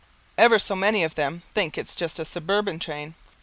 Ever so many of them think it's just a suburban train.